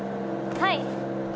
はい。